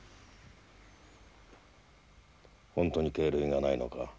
本当に係累がないのか？